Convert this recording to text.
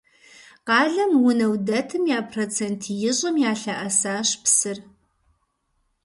Къалэм унэу дэтым я процент ищӏым ялъэӀэсащ псыр.